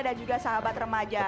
dan juga sahabat remaja